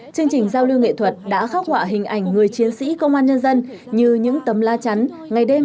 chương trình giao lưu nghệ thuật đã khắc họa hình ảnh người chiến sĩ công an nhân dân như những tấm la chắn